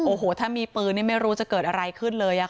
โอ้โหถ้ามีปืนนี่ไม่รู้จะเกิดอะไรขึ้นเลย